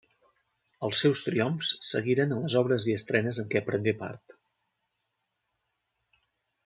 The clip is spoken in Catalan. Els seus triomfs seguiren en les obres i estrenes en què prengué part.